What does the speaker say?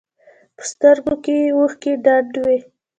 په سترګو کښې يې اوښکې ډنډ وې.